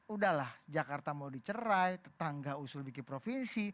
udahlah jakarta mau dicerai tetangga usul bikin provinsi